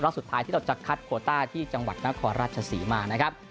สุดท้ายที่เราจะคัดโคต้าที่จังหวัดนครราชศรีมานะครับ